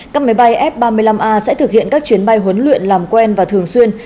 các máy bay f ba mươi năm a sẽ thực hiện các chuyến bay huấn luyện làm quen và thường xuyên